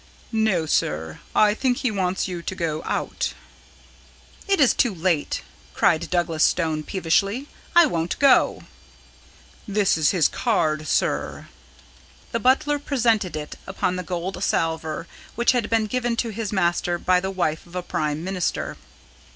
"No, sir; I think he wants you to go out." "It is too late," cried Douglas Stone peevishly. "I won't go." "This is his card, sir." The butler presented it upon the gold salver which had been given to his master by the wife of a Prime Minister.